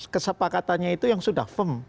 kesepakatannya itu yang sudah firm